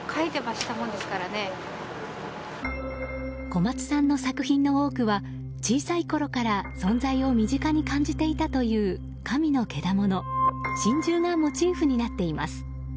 小松さんの作品の多くは小さいころから存在を身近に感じていたという神のけだもの、神獣がモチーフになっています。